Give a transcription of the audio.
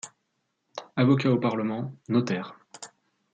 Avocat au Parlement, Notaire.